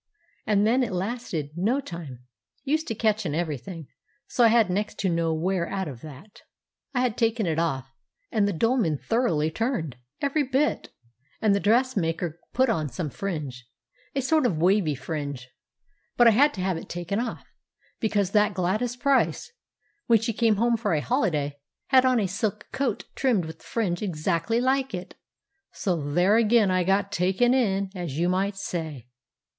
And then it lasted no time, used to catch in everything, so I had next to no wear out of that. "I had it taken off, and the dolman thoroughly turned—every bit; and the dressmaker put on some fringe, a sort of wavy fringe; but I had to have it taken off, because that Gladys Price, when she came home for a holiday, had on a silk coat trimmed with fringe exactly like it, so there again I got taken in, as you might say.